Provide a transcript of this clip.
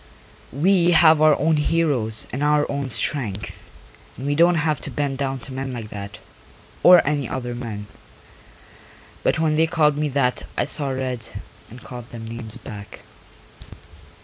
We have our own heroes and our own strength and we don't have to bend down to men like that, or any other men. But when they called me that I saw red and called them names back.